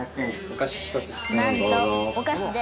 「なんとお菓子で」